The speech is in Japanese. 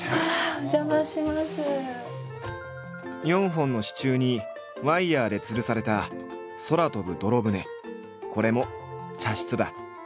４本の支柱にワイヤーでつるされたこれも茶室だ。